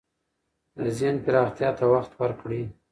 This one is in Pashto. د ذهن پراختیا ته وخت ورکړئ.